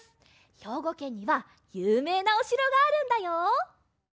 ひょうごけんにはゆうめいなおしろがあるんだよ！